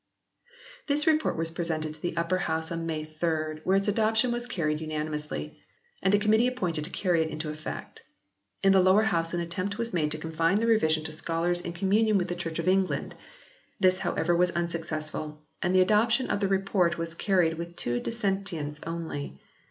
This Report was presented to the Upper House on May 3rd, where its adoption was carried unani mously, and a committee appointed to carry it into effect. In the Lower House an attempt was made to confine the revision to scholars in communion with the Church of England. This however was unsuccessful and the adoption of the Report was carried with two dissentients only.